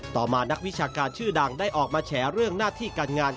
ต่อมานักวิชาการชื่อดังได้ออกมาแฉเรื่องหน้าที่การงาน